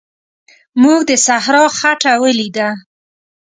موږ د صحرا خټه ولیده.